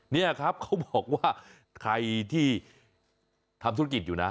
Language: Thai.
นี่ครับเขาบอกว่าใครที่ทำธุรกิจอยู่นะ